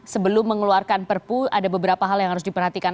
sebelum mengeluarkan perpu ada beberapa hal yang harus diperhatikan